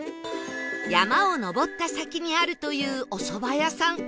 山を上った先にあるというお蕎麦屋さん